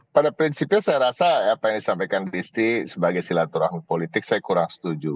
pada prinsipnya saya rasa apa yang disampaikan disti sebagai silaturahmi politik saya kurang setuju